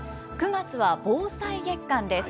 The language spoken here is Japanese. ９月は防災月間です。